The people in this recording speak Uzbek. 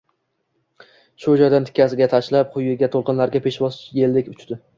va shu joydan tikkasiga tashlab, quyiga to‘lqinlarga peshvoz yeldek uchdi.